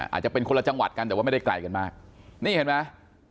อาจจะเป็นคนละจังหวัดกันแต่ว่าไม่ได้ไกลกันมากนี่เห็นไหม